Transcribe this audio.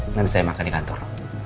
nanti saya makan di kantor